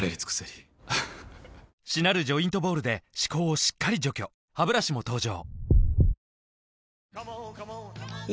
りしなるジョイントボールで歯垢をしっかり除去ハブラシも登場